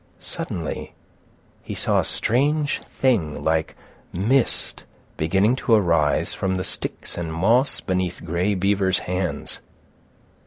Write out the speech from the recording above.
Suddenly he saw a strange thing like mist beginning to arise from the sticks and moss beneath Grey Beaver's hands.